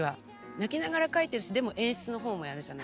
泣きながら書いてるしでも演出の方もやるじゃない。